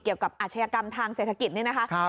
เกี่ยวกับอาชญากรรมทางเศรษฐกิจนี่นะคะ